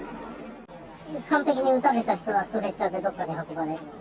完璧に撃たれた人はストレッチャーでどこかに運ばれていって。